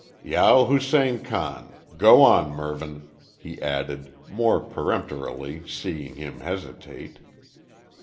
Jao Hussein Khan. Go on Mervyn," he added, more peremptorily, seeing him hesitate.